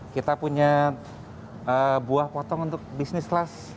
kita punya buah potong untuk bisnis kelas